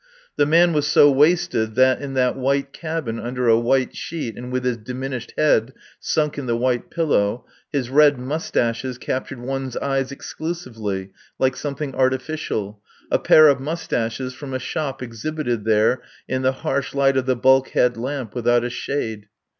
The man was so wasted that, in this white cabin, under a white sheet, and with his diminished head sunk in the white pillow, his red moustaches captured their eyes exclusively, like something artificial a pair of moustaches from a shop exhibited there in the harsh light of the bulkhead lamp without a shade.